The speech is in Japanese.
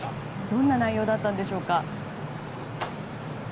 どんな内容だったんでしょうか？